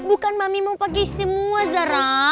bukan mami mau pagi semua zara